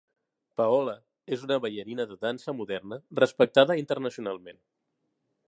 Paola és una ballarina de dansa moderna respectada internacionalment.